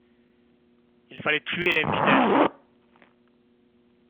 Il fallait tuer l'infidèle.